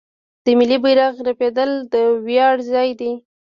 د ملي بیرغ رپیدل د ویاړ ځای دی.